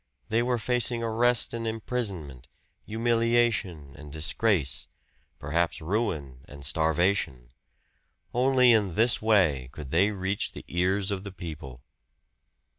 They were facing arrest and imprisonment, humiliation and disgrace perhaps ruin and starvation. Only in this way could they reach the ears of the people.